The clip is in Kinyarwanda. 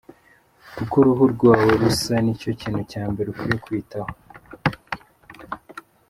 Uko uruhu rwawe rusa nicyo kintu cya mbere ukwiye kwitaho.